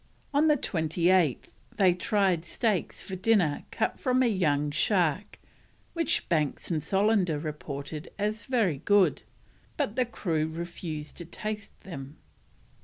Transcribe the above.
On the 28th they tried steaks for dinner cut from a young shark, which Banks and Solander reported as very good, but the crew refused to taste them.